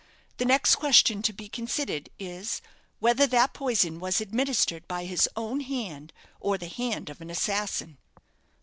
The next question to be considered is, whether that poison was administered by his own hand, or the hand of an assassin."